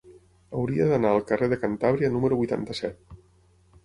Hauria d'anar al carrer de Cantàbria número vuitanta-set.